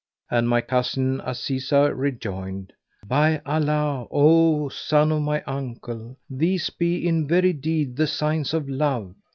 And my cousin Azizah rejoined, "By Allah, O son of my uncle, these be in very deed the signs of love!"